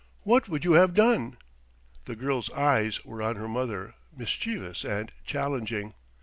What would you have done?" The girl's eyes were on her mother, mischievous and challenging.